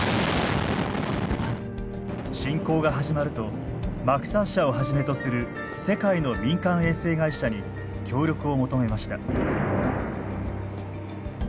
侵攻が始まるとマクサー社をはじめとする世界の民間衛星会社に協力を求めました。